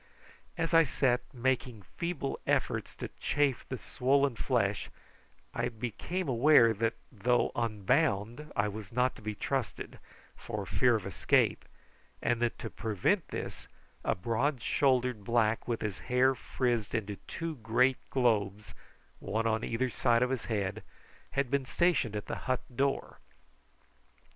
As I sat making feeble efforts to chafe the swollen flesh I became aware that though unbound I was not to be trusted, for fear of escape, and that to prevent this a broad shouldered black with his hair frizzed into two great globes, one on either side of his head, had been stationed at the hut door.